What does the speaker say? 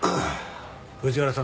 藤原さん